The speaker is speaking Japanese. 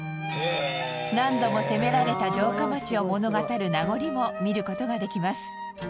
何度も攻められた城下町を物語る名残も見る事ができます。